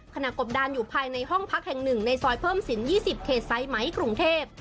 กบดานอยู่ภายในห้องพักแห่งหนึ่งในซอยเพิ่มสิน๒๐เขตสายไหมกรุงเทพ